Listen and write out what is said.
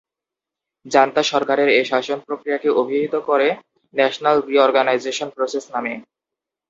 Junta সরকারের এ শাসন প্রক্রিয়াকে অভিহিত করে 'ন্যাশনাল রি-অর্গানাইজেশন প্রসেস' নামে।